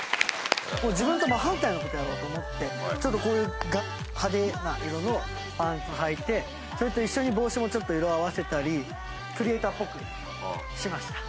自分と真反対の事やろうと思ってちょっとこういう派手な色のパンツはいてそれと一緒に帽子もちょっと色合わせたりクリエーターっぽくしました。